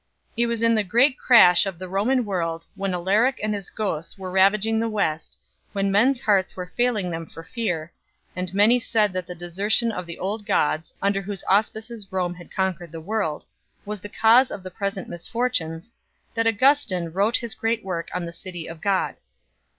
It was in the great crash of the Roman world, when Alaric and his Goths were ravaging the West, when men s hearts were failing them for fear, and many said that the desertion of the old gods, under whose auspices Rome had conquered the world, was the cause of the present mis fortunes, that Augustin wrote his great work on the City of God.